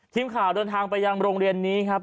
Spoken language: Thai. ทีมข่าวเดินทางไปยังโรงเรียนนี้ครับ